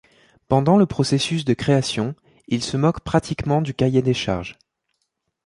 Pendant le processus de création, il se moque pratiquement du cahier des charges.